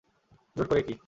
জোর করে কী?